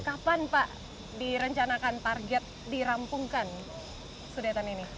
kapan pak direncanakan target dirampungkan sudetan ini